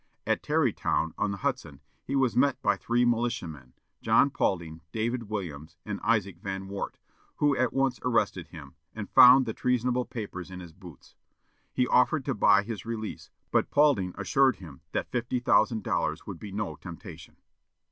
At Tarrytown, on the Hudson, he was met by three militiamen, John Paulding, David Williams, and Isaac Van Wart, who at once arrested him, and found the treasonable papers in his boots. He offered to buy his release, but Paulding assured him that fifty thousand dollars would be no temptation.